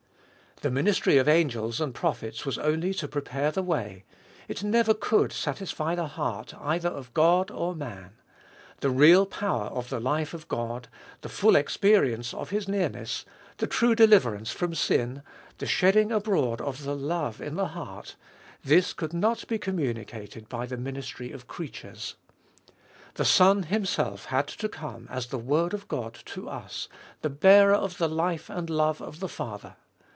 The ministry of angels and prophets was only to prepare the way; it never could satisfy the heart either of God or man ; the real power of the life of God, the full experience of His nearness, the true deliver ance from sin, the shedding abroad of the love in the heart, — this could not be communicated by the ministry of creatures. The Son Himself had to come as the Word of God to us, the bearer of the life and love of the Father.